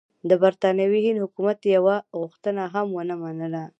د برټانوي هند حکومت یوه غوښتنه هم ونه منله.